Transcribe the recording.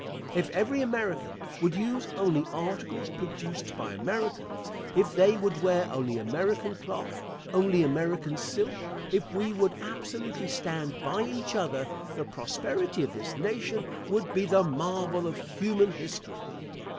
If every American would use only articles produced by Americans if they would wear only American cloth, only American silk if we would absolutely stand by each other, the prosperity of this nation would be the marvel of human history.